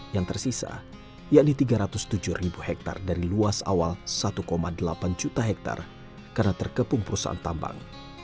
yang tersisa yakni tiga ratus tujuh ribu hektare dari luas awal satu delapan juta hektare karena terkepung perusahaan tambang